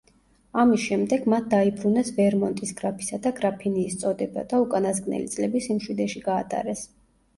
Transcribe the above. ამის შემდეგ მათ დაიბრუნეს ვერმონტის გრაფისა და გრაფინიის წოდება და უკანასკნელი წლები სიმშვიდეში გაატარეს.